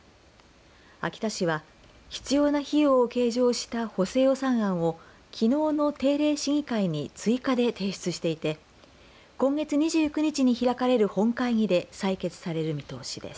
秋田市は必要な費用を計上した補正予算案をきのうの定例市議会に追加で提出していて今月２９日に開かれる本会議で採決される見通しです。